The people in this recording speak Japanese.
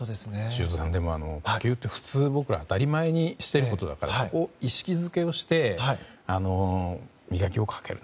修造さん、呼吸って普通、僕ら当たり前にしていることだからそこ、意識付けをして磨きをかける。